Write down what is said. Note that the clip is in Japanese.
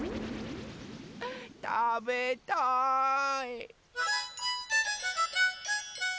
たべたい！